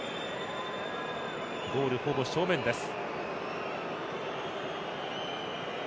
ゴールほぼ正面です。